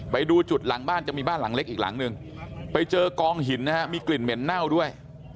ไปดูจุดหลังบ้านจะมีบ้านหลังเล็กอีกหลังนึงไปเจอกองหินนะฮะมีกลิ่นเหม็นเน่าด้วย